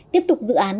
tiếp tục dự án